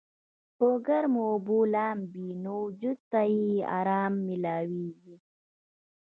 پۀ ګرمو اوبو لامبي نو وجود ته ئې ارام مېلاويږي